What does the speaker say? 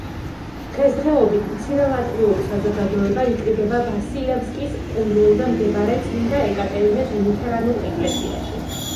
დღესდღეობით მცირე ლატვიური საზოგადოება იკრიბება ვასილევსკის კუნძულზე მდებარე წმინდა ეკატერინეს ლუთერანულ ეკლესიაში.